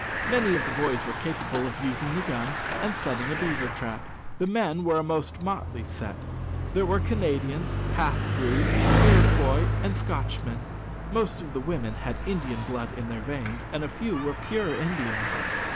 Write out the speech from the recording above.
Many of the boys were capable of using the gun and setting a beaver trap. The men were a most motley set. There were Canadians, half breeds, Iroquois, and Scotchmen. Most of the women had Indian blood in their veins, and a few were pure Indians.